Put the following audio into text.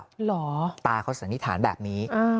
เหรอตาเขาสันนิษฐานแบบนี้